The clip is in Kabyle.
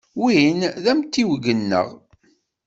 Win d amtiweg-nneɣ.